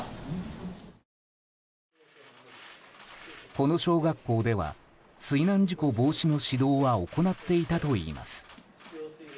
この小学校では水難事故防止の指導は行っていたといいます。